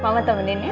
mama temenin aku